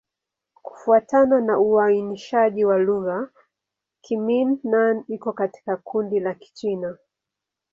Kufuatana na uainishaji wa lugha, Kimin-Nan iko katika kundi la Kichina.